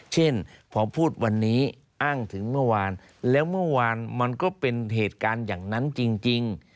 เช่นพอพูดวันนี้อ้างถึงเมื่อวานแล้วเมื่อวานมันก็เป็นเหตุการณ์อย่างนั้นจริง